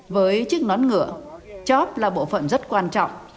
với chiếc nón ngựa chóp là bộ phận rất quan trọng